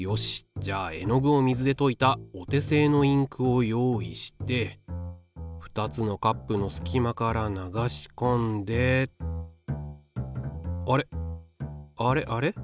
じゃあ絵の具を水でといたお手製のインクを用意して２つのカップのすき間から流しこんであれあれあれ？